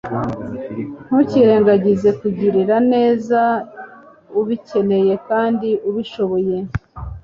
ntukirengagize kugirira neza ubikeneye kandi ubishoboye